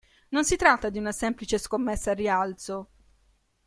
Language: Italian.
Non si tratta di una semplice scommessa al rialzo.